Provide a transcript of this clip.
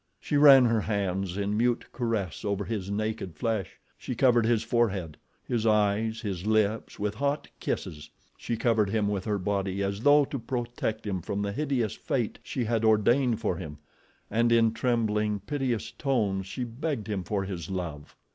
She ran her hands in mute caress over his naked flesh; she covered his forehead, his eyes, his lips with hot kisses; she covered him with her body as though to protect him from the hideous fate she had ordained for him, and in trembling, piteous tones she begged him for his love.